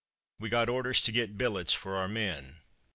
We got orders to get billets for our men.